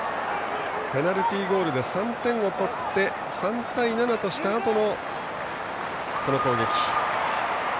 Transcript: ペナルティーゴールで３点を取って３対７としたあとの攻撃。